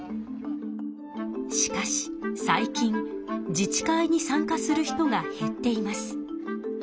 しかし最近自治会に参加する人が減っています。